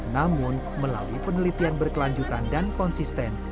namun melalui penelitian berkelanjutan dan konsisten